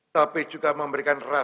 tapi juga memberikan rasa